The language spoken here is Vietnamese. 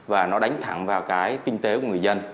và nó đánh thẳng vào cái kinh tế của người dân